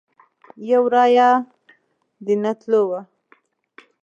یو رایه د نه تلو وه.